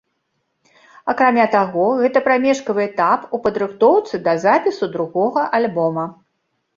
Акрамя таго, гэта прамежкавы этап у падрыхтоўцы да запісу другога альбома.